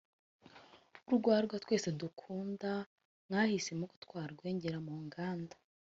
urwagwa twese dukunda mwahisemo ko twarwengera mu nganda